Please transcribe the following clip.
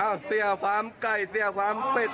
ห้าเสียฟ้ามไก่เสียฟ้ามติด